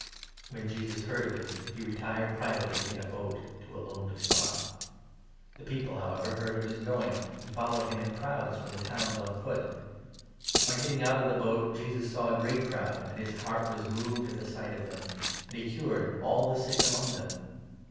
When Jesus heard of it, he retired privately in a flve't^ou'sand boat to a lonely spot. The people, however, heard by the Lake of his going, and followed him in crowds from the or oaiiiee. towns on foot On getting out of the boat, Jesus saw a great crowd, and his heart was moved at the sight of them ; and hecured all thesickamong them.